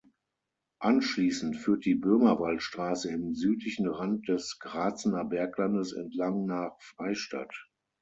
Anschließend führt die Böhmerwald Straße im südlichen Rand des Gratzener Berglandes entlang nach Freistadt.